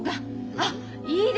あっいいですよ